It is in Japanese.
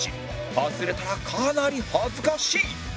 外れたらかなり恥ずかしい